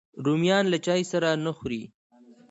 رومیان له چای سره نه خوري